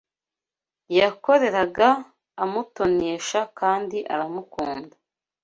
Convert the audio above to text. yakoreraga amutonesha kandi aramukunda.